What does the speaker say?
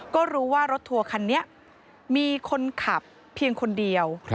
ก็รู้ว่ารถทัวร์คันนี้มีคนขับเพียงคนเดียว